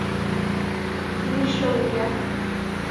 Йӱшӧ вуя?